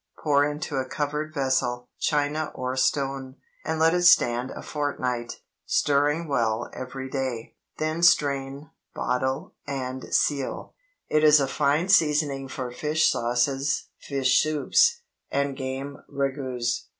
Pour into a covered vessel—china or stone—and let it stand a fortnight, stirring well every day. Then strain, bottle, and seal. It is a fine seasoning for fish sauces, fish soups, and game ragoûts.